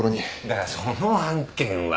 だからその案件は。